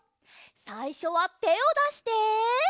さいしょはてをだして。